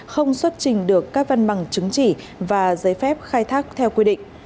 không xuất trình được các văn bằng chứng chỉ và giấy phép khai thác theo quy định